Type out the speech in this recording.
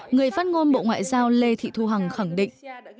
người phát ngôn bộ ngoại giao lê thị thu hằng khẳng định